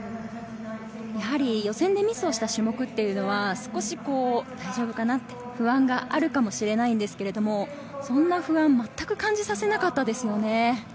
予選でミスをした種目は、少し大丈夫かなと不安があるかもしれないのですが、そんな不安をまったく感じさせなかったですね。